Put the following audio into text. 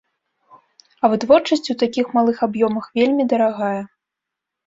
А вытворчасць у такіх малых аб'ёмах вельмі дарагая.